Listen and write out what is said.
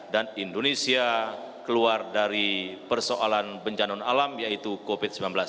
dan indonesia keluar dari persoalan bencana alam yaitu covid sembilan belas